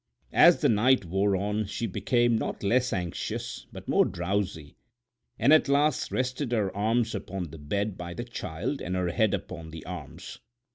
As the night wore on she became not less anxious, but more drowsy, and at last rested her arms upon the bed by the child and her head upon the arms.